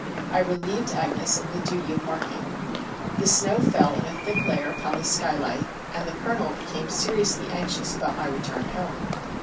I relieved Agnes of the duty of marking. The snow fell in a thick layer upon the skylight, and the Colonel became seriously anxious about my return home.